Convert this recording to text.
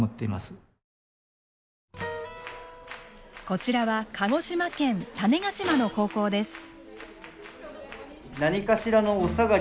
こちらは鹿児島県種子島の高校です。